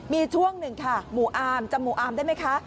มีช่วงหนึ่งค่ะหมู่อาร์มจำหมู่อาร์มได้ไหมคะ